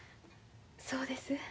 そうです。